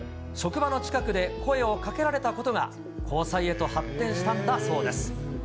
職場の近くで声をかけられたことが、交際へと発展したんだそうです。